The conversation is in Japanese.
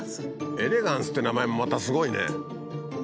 「エレガンス」って名前もまたすごいね。